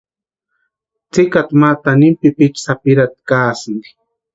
Tsikata ma tanimuni pipichu sapirhati kaasti.